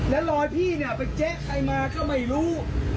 แล้วรอยพี่เนี่ยไปเจ๊ใครมาก็ไม่รู้